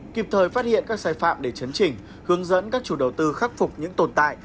kịp thời phát hiện các sai phạm để chấn chỉnh hướng dẫn các chủ đầu tư khắc phục những tồn tại